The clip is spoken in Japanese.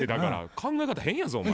考え方変やぞお前。